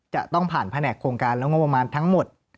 จะต้องผ่านแผนกโครงการและงบประมาณทั้งหมด